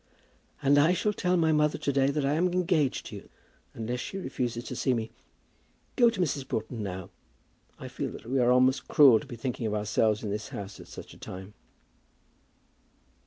"And I shall tell my mother to day that I am engaged to you, unless she refuses to see me. Go to Mrs. Broughton now. I feel that we are almost cruel to be thinking of ourselves in this house at such a time."